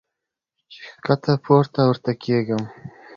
چې ښکته پورته ورته کېږم -